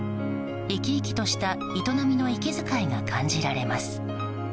生き生きとした営みの息遣いが感じられます。